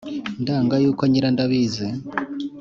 Ndanga yuko nyirandabizi